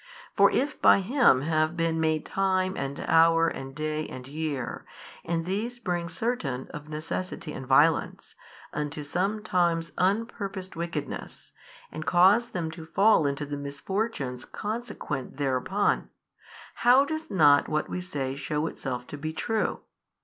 For if by Him have been made time and hour and day and year, and these bring certain, of necessity and violence, unto sometimes unpurposed wickedness, and cause them to fall into the misfortunes consequent thereupon, how does not what we say shew itself to be true?